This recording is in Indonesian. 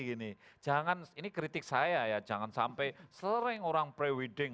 ini jangan ini kritik saya ya jangan sampai sering orang pre wedding